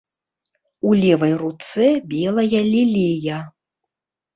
У левай руцэ белая лілея.